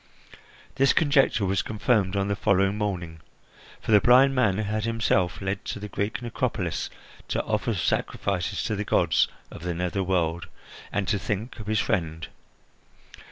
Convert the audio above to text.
This conjecture was confirmed on the following morning, for the blind man had himself led to the Greek necropolis to offer sacrifices to the gods of the nether world and to think of his friend.